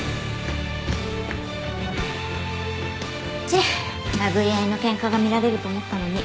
ちぇっ殴り合いの喧嘩が見られると思ったのに。